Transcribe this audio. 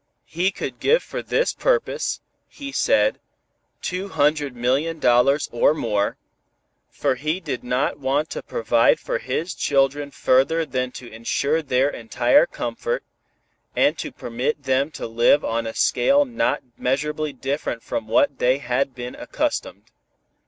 He could give for this purpose, he said, two hundred million dollars or more, for he did not want to provide for his children further than to ensure their entire comfort, and to permit them to live on a scale not measurably different from what they had been accustomed.